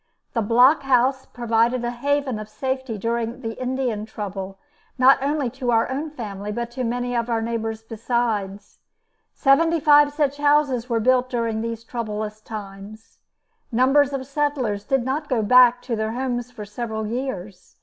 The blockhouse proved a haven of safety during the Indian trouble, not only to our own family but to many of our neighbors besides. Seventy five such houses were built during these troublous times. Numbers of settlers did not go back to their homes for several years.